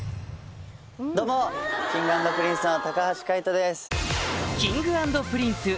どうもＫｉｎｇ＆Ｐｒｉｎｃｅの橋海人です。